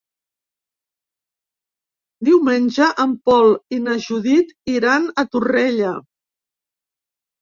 Diumenge en Pol i na Judit iran a Torrella.